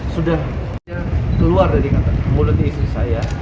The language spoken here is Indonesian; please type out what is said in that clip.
sudah keluar dari mulut istri saya